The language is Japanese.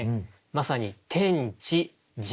まさに天地人。